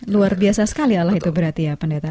luar biasa sekali allah itu berarti ya pendeta